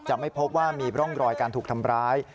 ไม่พบว่ามีร่องรอยการถูกทำร้าย